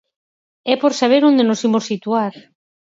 É por saber onde nos imos situar.